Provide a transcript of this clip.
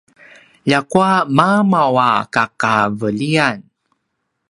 ljakua mamav a kakaveliyan